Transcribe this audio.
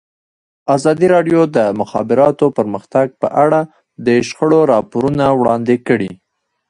ازادي راډیو د د مخابراتو پرمختګ په اړه د شخړو راپورونه وړاندې کړي.